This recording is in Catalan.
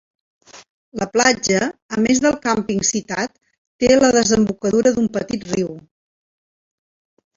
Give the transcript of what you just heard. La platja, a més del càmping citat té la desembocadura d'un petit riu.